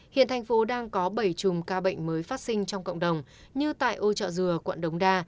hiện tp đang có bảy chùm ca bệnh mới phát sinh trong cộng đồng như tại âu trọ dừa quận đống đa